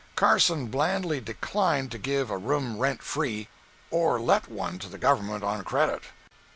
Carson blandly declined to give a room rent free, or let one to the government on credit.